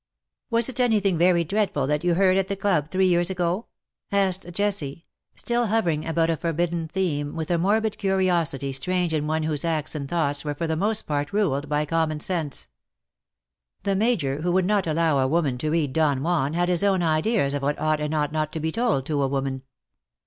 ^^^* Was it anything very dreadful that you heard at the clubs three years ago?" asked Jessie, still hovering about a forbidden theme, with a morbid curiosity strange in one whose acts and thoughts were for the most part ruled by common sense. The Major, who would not allow a woman to read ^'^Don Juan," had his own ideas of what ought and ought not to be told to a woman.